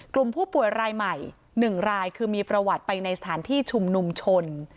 กลุ่มผู้ป่วยรายใหม่๑รายคือมีประวัติไปในสถานที่ชุมนุมชน